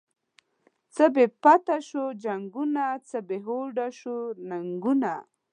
څه بی پته شوو جنگونه، څه بی هوډه شوو ننگونه